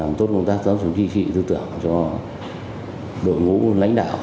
làm tốt công tác giáo dục chính trị tư tưởng cho đội ngũ lãnh đạo